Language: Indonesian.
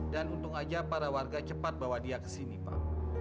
untung aja para warga cepat bawa dia ke sini pak